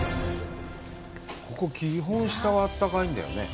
ここ、基本下はあったかいんだよね？